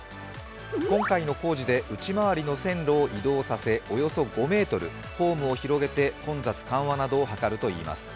今回の工事で内回りの線路を移動させ、およそ５ｍホームを広げて混雑緩和などを図るといいます。